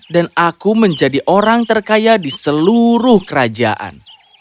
dan aku menjadi orang terkaya di seluruh kerajaan